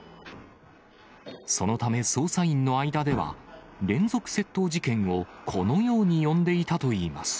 そのため捜査員の間では、連続窃盗事件を、このように呼んでいたといいます。